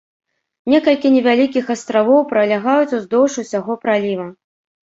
Некалькі невялікіх астравоў пралягаюць уздоўж усяго праліва.